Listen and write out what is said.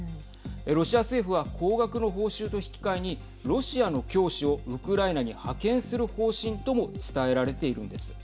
ロシア政府は、高額の報酬と引き換えに、ロシアの教師をウクライナに派遣する方針とも伝えられているんです。